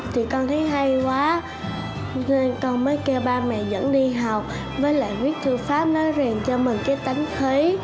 thì con thấy hay quá nên con mới kêu ba mẹ dẫn đi học với lại viết thư pháp nói ràng cho mình cái tánh khí